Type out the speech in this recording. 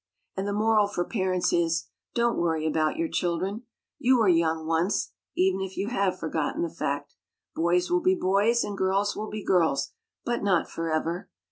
And the moral for parents is: Don't worry about your children. You were young once, even if you have forgotten the fact. Boys will be boys and girls will be girls but not forever.